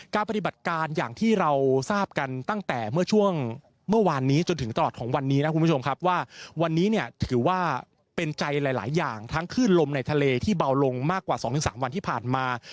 ปฏิบัติการอย่างที่เราทราบกันตั้งแต่เมื่อช่วงเมื่อวานนี้จนถึงตลอดของวันนี้นะคุณผู้ชมครับว่าวันนี้เนี่ยถือว่าเป็นใจหลายอย่างทั้งคลื่นลมในทะเลที่เบาลงมากกว่า๒๓วันที่ผ่านมา